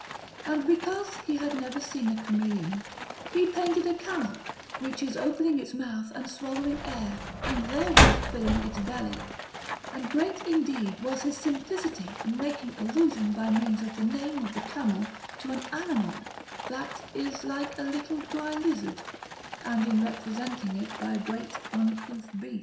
And because he had never seen a chameleon, he painted a camel, which is opening its mouth and swallowing air, and therewith filling its belly; and great, indeed, was his simplicity in making allusion by means of the name of the camel to an animal that is like a little dry lizard, and in representing it by a great uncouth beast.